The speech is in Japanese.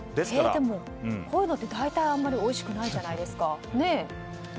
こういうのって大体あんまりおいしくないじゃないですか。